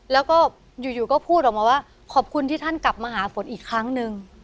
แล้วก็อยู่ก็พูดออกมาว่าขอบคุณที่ท่านกลับมาหาฝนอีกครั้งหนึ่ง